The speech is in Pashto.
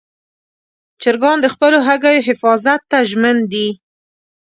چرګان د خپلو هګیو حفاظت ته ژمن دي.